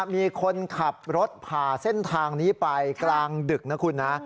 มีคนขับรถผ่าเส้นทางนี้ไปกลางดึกนะคุณนะ